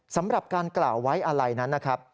สำหรับการกล่าวไว้อะไรนั้นนะครับ